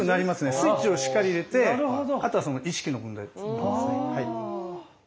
スイッチをしっかり入れてあとは意識の問題ですね。